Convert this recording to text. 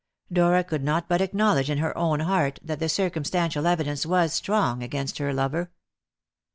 Dora could not but acknowledge in her own heart that the circumstantial evidence was strong against her lover.